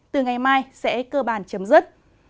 từ ngày mai sẽ cơ bản chấm dứt